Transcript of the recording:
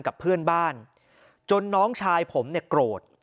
กับเพื่อนบ้านจนน้องชายผมเนี่ยโกรธ